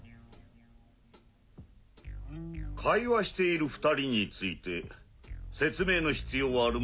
会話している２人について説明の必要はあるまい。